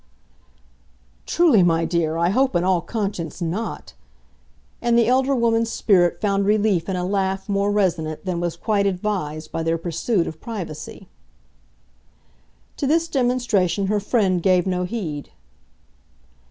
"Truly, my dear, I hope in all conscience not!" and the elder woman's spirit found relief in a laugh more resonant than was quite advised by their pursuit of privacy. To this demonstration her friend gave no heed.